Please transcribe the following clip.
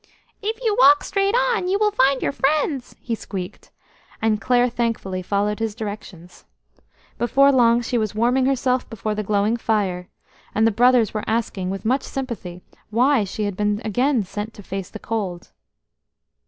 "If you walk straight on, you will find your friends," he squeaked, and Clare thankfully followed his directions. Before long she was warming herself before the glowing fire, and the brothers were asking with much sympathy why she had been again sent to face the cold.